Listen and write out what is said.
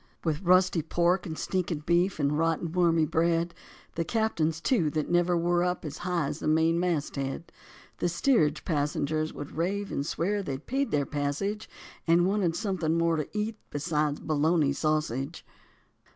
With rusty pork and stinking beef and rotten, wormy bread! The captains, too, that never were up as high as the main mast head! The steerage passengers would rave and swear that they'd paid their passage And wanted something more to eat beside bologna sausage.